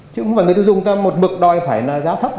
chứ không phải người dân dùng ta một bực đòi phải là giá thấp